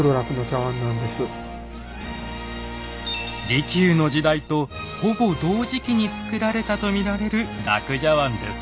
利休の時代とほぼ同時期に作られたと見られる樂茶碗です。